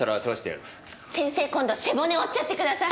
先生今度背骨折っちゃってください。